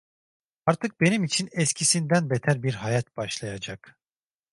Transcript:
Artık benim için eskisinden beter bir hayat başlayacak.